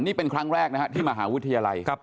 นี่เป็นครั้งแรกนะฮะที่มหาวิทยาลัย